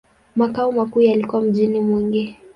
Makao makuu yalikuwa mjini Mwingi.